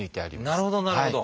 なるほどなるほど。